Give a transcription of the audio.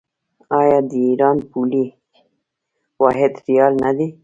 آیا د ایران پولي واحد ریال نه دی؟